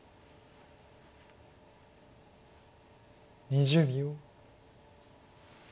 ２０秒。